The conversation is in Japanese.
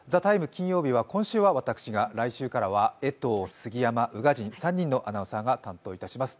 金曜日は今週は私が来週からは江藤、杉山、宇賀神、３人のアナウンサーが担当いたします。